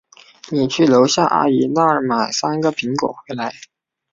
你去楼下阿姨那儿买三个苹果回来。